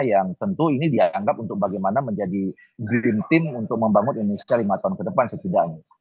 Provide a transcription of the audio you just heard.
yang tentu ini dianggap untuk bagaimana menjadi green team untuk membangun indonesia lima tahun ke depan setidaknya